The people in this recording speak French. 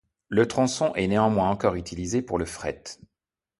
Le tronçon est néanmoins encore utilisé pour le fret.